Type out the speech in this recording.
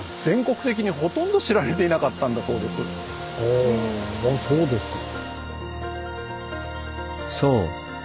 あそうですか。